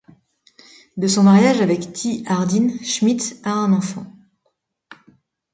De son mariage avec Ty Hardin Schmidt a un enfant.